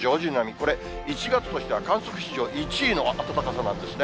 これ、１月としては観測史上１位の暖かさなんですね。